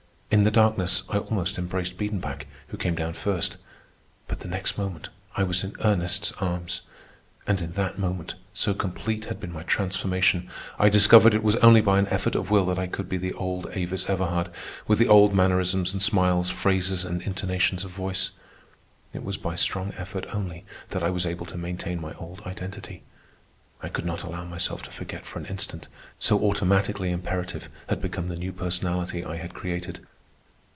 In the darkness I almost embraced Biedenbach, who came down first; but the next moment I was in Ernest's arms. And in that moment, so complete had been my transformation, I discovered it was only by an effort of will that I could be the old Avis Everhard, with the old mannerisms and smiles, phrases and intonations of voice. It was by strong effort only that I was able to maintain my old identity; I could not allow myself to forget for an instant, so automatically imperative had become the new personality I had created.